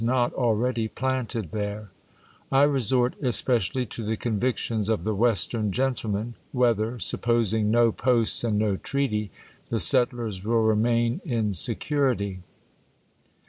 not already planted there ? I resort especially to thf convictions of the Western gentlemen, whether, sup^ posing no Posts and no Treaty, the settlers will remaiij in security